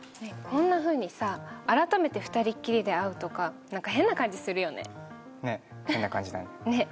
こんなふうにさ改めて２人っきりで会うとかなんか変な感じするよねねえ